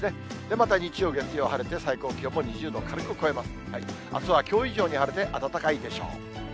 また日曜、月曜、晴れて、最高気温も２０度を軽く超えます。